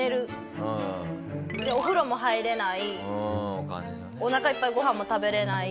でお風呂も入れないおなかいっぱいご飯も食べれない。